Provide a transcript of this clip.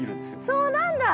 そうなんだ。